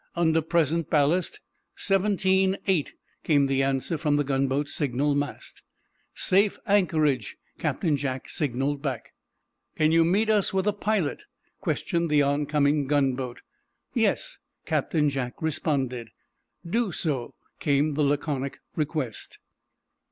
"Under present ballast, seventeen eight," came the answer from the gunboat's signal mast. "Safe anchorage," Captain Jack signaled back. "Can you meet us with a pilot?" questioned the on coming gunboat. "Yes," Captain Jack responded. "Do so," came the laconic request.